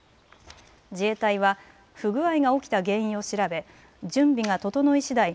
自衛隊は不具合が起きた原因を調べ、準備が整いしだい